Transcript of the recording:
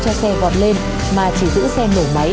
cho xe gọt lên mà chỉ giữ xe nổ máy